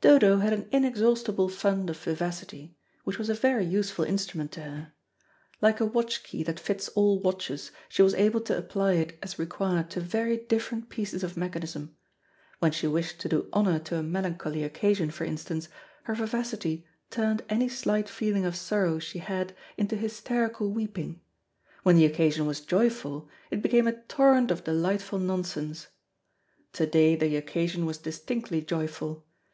Dodo had an inexhaustible fund of vivacity, which was a very useful instrument to her; like a watch key that fits all watches, she was able to apply it as required to very different pieces of mechanism. When she wished to do honour to a melancholy occasion, for instance, her vivacity turned any slight feeling of sorrow she had into hysterical weeping; when the occasion was joyful, it became a torrent of delightful nonsense. To day the occasion was distinctly joyful.